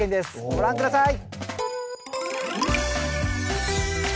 ご覧下さい。